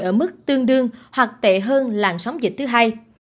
ở mức tương đương hoặc tệ hơn làn sóng dịch thứ hai